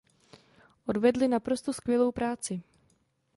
Odvedli naprosto skvělou práci.